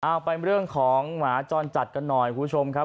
เอาไปเรื่องของหมาจรจัดกันหน่อยคุณผู้ชมครับ